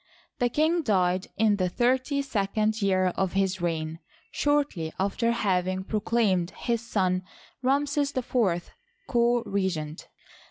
The king died in the thirty second year of his reign, shortly after having proclaimed his son Ramses IV co regent.